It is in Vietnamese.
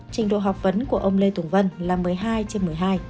trình độ học vấn của ông lê tùng vân là một mươi hai trên một mươi hai